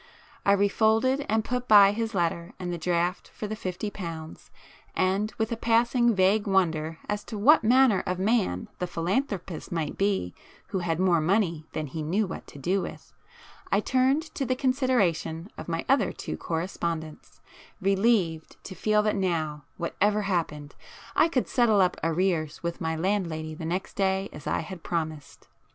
I refolded and put by his letter and the draft for the fifty pounds, and with a passing vague wonder as to what manner of man the 'philanthropist' might be who had more money than he knew what to do with, I turned to the consideration of my other two correspondents, relieved to feel that now, whatever happened, I could settle up arrears with my landlady the next day as I had promised.